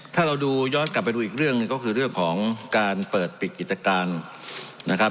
ถ้าเราดูย้อนกลับไปดูอีกเรื่องหนึ่งก็คือเรื่องของการเปิดปิดกิจการนะครับ